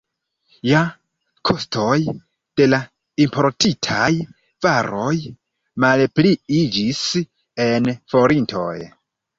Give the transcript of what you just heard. Ja kostoj de la importitaj varoj malpliiĝis en forintoj.